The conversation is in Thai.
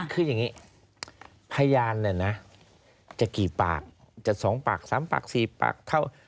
คืออย่างนี้พยานเนี่ยนะจะกี่ปากจะ๒ปาก๓ปาก๔ปากเท่า